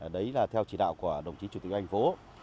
đấy là theo chỉ đạo của đồng chí chủ tịch thành phố